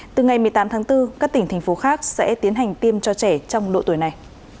từ ngày một mươi tám tháng bốn các tỉnh thành phố khác sẽ tiến hành tiêm cho trẻ trong độ tuổi này